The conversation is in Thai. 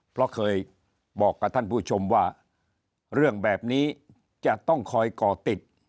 เพราะเคยบอกกับท่านผู้ชมว่าเรื่องแบบนี้จะต้องคอยก่อติด